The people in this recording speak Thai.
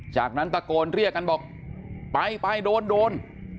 จากนั้นตะโกนเรียกกันบอกไปไปโดนโดน